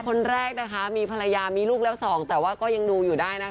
คนแรกนะคะมีภรรยามีลูกแล้วสองแต่ว่าก็ยังดูอยู่ได้นะคะ